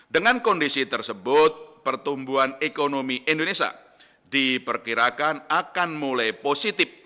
dengan kondisi tersebut pertumbuhan ekonomi indonesia diperkirakan akan mulai positif